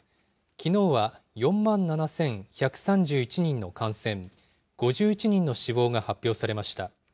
きのうは４万７１３１人の感染、５１人の死亡が発表されました。